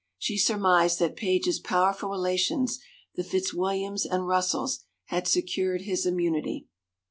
She surmised that Page's powerful relations, the Fitzwilliams and Russells, had secured his immunity.